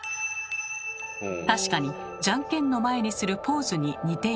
確かにじゃんけんの前にするポーズに似ていますが。